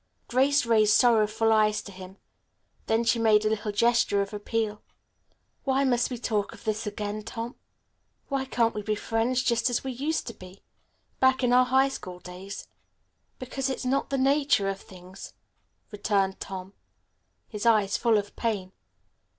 Grace raised sorrowful eyes to him. Then she made a little gesture of appeal. "Why must we talk of this again, Tom? Why can't we be friends just as we used to be, back in our high school days?" "Because it's not in the nature of things," returned Tom, his eyes full of pain.